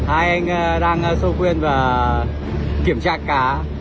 anh đang sâu khuyên và kiểm tra cá